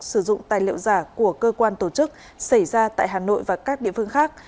sử dụng tài liệu giả của cơ quan tổ chức xảy ra tại hà nội và các địa phương khác